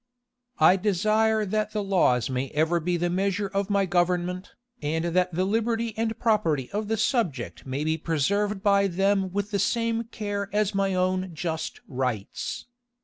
"I desire that the laws may ever be the measure of my government, and that the liberty and property of the subject may be preserved by them with the same care as my own just rights.